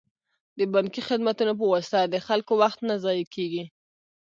د بانکي خدمتونو په واسطه د خلکو وخت نه ضایع کیږي.